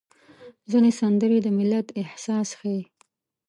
ځینې سندرې د ملت احساس ښيي.